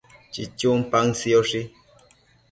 chichun paën sioshi